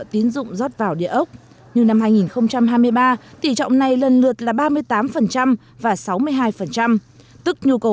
tiến dụng rót vào địa ốc nhưng năm hai nghìn hai mươi ba tỷ trọng này lần lượt là ba mươi tám và sáu mươi hai tức nhu cầu